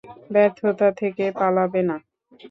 ব্যর্থতা থেকে পালাবে না!